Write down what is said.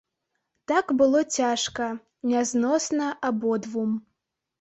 Так было цяжка, нязносна абодвум.